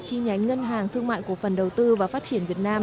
chi nhánh ngân hàng thương mại cổ phần đầu tư và phát triển việt nam